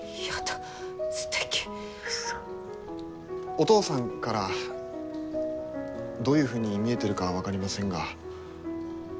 お父さんからどういうふうに見えてるかは分かりませんが。